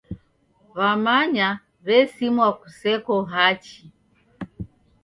W'amanya w'esimwa kuseko hachi.